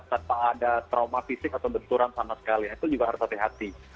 tanpa ada trauma fisik atau benturan sama sekali itu juga harus hati hati